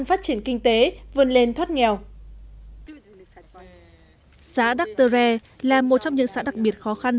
phát triển kinh tế vươn lên thoát nghèo xã đắc tơ re là một trong những xã đặc biệt khó khăn